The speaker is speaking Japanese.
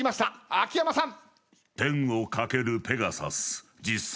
秋山さん！